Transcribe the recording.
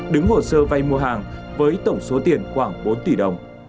đứng hồ sơ vay mua hàng với tổng số tiền khoảng bốn tỷ đồng